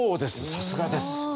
さすがです！